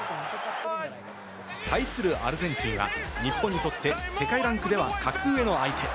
対するアルゼンチンは日本にとって世界ランクでは格上の相手。